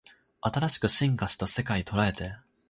新しく進化した世界捉えて